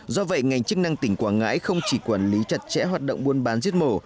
do vậy ngành chức năng tỉnh quảng ngãi không chỉ quản lý chặt chẽ hoạt động buôn bán giết mổ